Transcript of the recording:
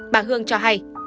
bà hương cho hay